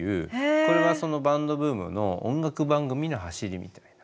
これはそのバンドブームの音楽番組のはしりみたいな。